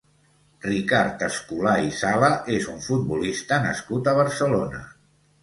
Ricard Escolà i Sala és un futbolista nascut a Barcelona.